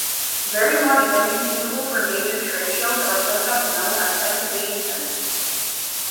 Very large venues, suitable for major trade shows, are sometimes known as exhibition centres.